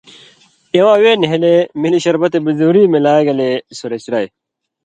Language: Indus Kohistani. اِواں وے نھېلے ملی شربت بزوری ملا گلے سُرسیۡ رائ